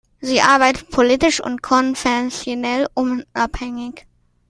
Sie arbeitet politisch und konfessionell unabhängig.